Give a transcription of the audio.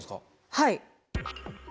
はい。